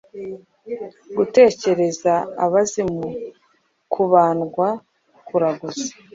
guterekera abazimu, kubandwa, kuraguza.